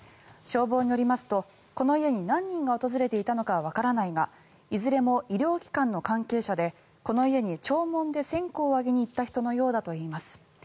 消防によりますとこの家に何人が訪れていたのかはわからないがいずれも医療機関の関係者でこの家に弔問で線香を上げに行った人のようだといいます。